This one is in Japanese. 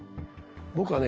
僕はね